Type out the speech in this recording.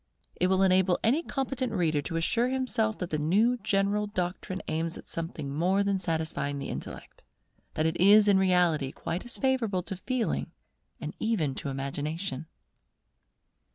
It will enable any competent reader to assure himself that the new general doctrine aims at something more than satisfying the Intellect; that it is in reality quite as favourable to Feeling and even to Imagination.